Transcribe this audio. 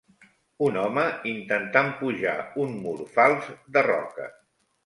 Un home intentant pujar un mur fals de roca.